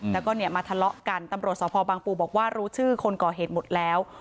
แล้วก็เนี่ยมาทะเลาะกันตำรวจสภบางปูบอกว่ารู้ชื่อคนก่อเหตุหมดแล้ว